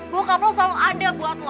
bokap lo selalu ada buat lo